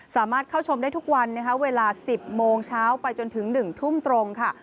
สามารถเข้าชมได้ทุกวันนะคะเวลา๑๐โมงเช้าไปจนถึง๑ทุ่มตรงค่ะ